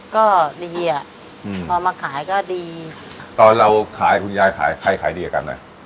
ก็ดีอ่ะอืมพอมาขายก็ดีตอนเราขายคุณยายขายใครขายดีกับกันนะ